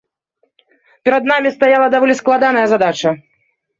Перад намі стаяла даволі складаная задача.